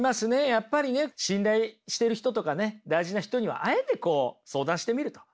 やっぱりね信頼してる人とかね大事な人にはあえてこう相談してみると。